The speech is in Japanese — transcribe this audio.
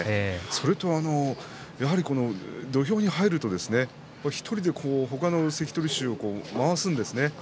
それと土俵に入ると１人で他の関取衆を回すんですね。